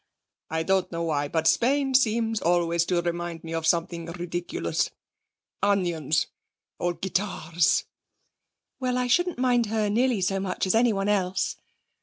'I don't know why, but Spain seems always to remind me of something ridiculous. Onions or guitars.' 'Well, I shouldn't mind her nearly so much as anyone else.'